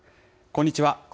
こんにちは。